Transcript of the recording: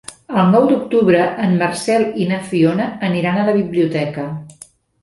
El nou d'octubre en Marcel i na Fiona aniran a la biblioteca.